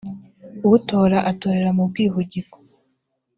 utora atorera mu bwihugiko